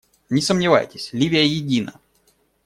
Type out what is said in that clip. Не сомневайтесь, Ливия едина.